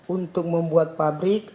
untuk membuat pabrik